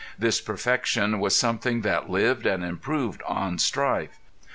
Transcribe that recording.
This perfection was something that lived and improved on strife.